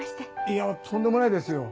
いやとんでもないですよ。